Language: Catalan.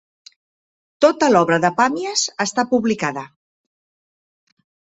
Tota l'obra de Pàmies està publicada.